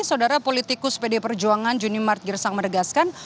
saudara politikus pd perjuangan juni mart girsang meregaskan